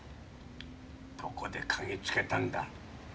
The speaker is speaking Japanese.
どこでかぎつけたんだ？